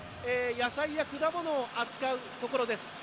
野菜や果物を扱うところです。